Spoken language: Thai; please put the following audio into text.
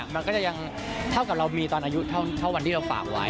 มันก็จะยังเท่ากับเรามีตอนอายุเท่าวันที่เราฝากไว้